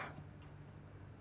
tetapi dana itu